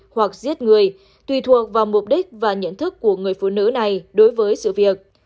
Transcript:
hoặc giết người tùy thuộc vào mục đích và nhận thức của người phụ nữ này đối với sự việc